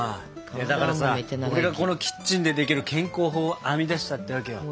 だからさ俺がこのキッチンでできる健康法を編み出したってわけよ。